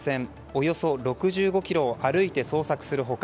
およそ６５ｋｍを歩いて捜索する他